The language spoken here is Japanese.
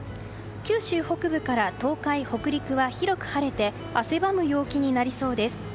九州北部から東海・北陸は広く晴れて汗ばむ陽気になりそうです。